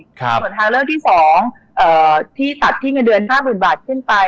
ส่วนทางเลือกที่๒ที่ตัดที่เงินเดือน๕๐๐๐บาทขึ้นไป